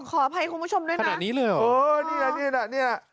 ขออภัยคุณผู้ชมด้วยนะขนาดนี้เลยเหรอเออนี่แหละนี่น่ะเนี่ย